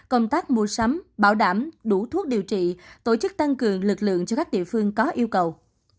công tác mua sắm bảo đảm đủ thuốc điều trị tổ chức tăng cường lực lượng cho các địa phương có yêu cầu